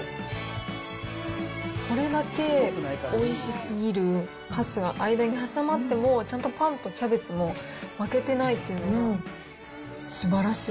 これだけおいしすぎるカツが間に挟まっても、ちゃんとパンとキャベツも負けてないっていうのがすばらしい。